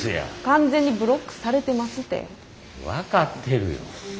完全にブロックされてますって。分かってるよ。